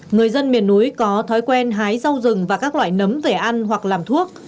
người dân miền núi có thói quen hái rau rừng và các loại nấm về ăn hoặc làm thuốc